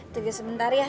tunggu sebentar ya